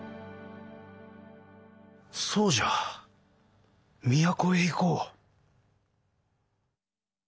そうじゃ都へ行こう。